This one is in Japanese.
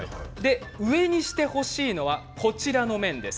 上にしてほしいのはこちらの面です。